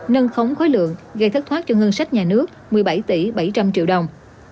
nâng khống khối lượng gây thất thoát cho ngân sách nhà nước một mươi bảy tỷ bảy trăm linh triệu đồng